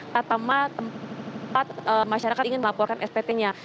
pertama tempat masyarakat ingin melaporkan spt nya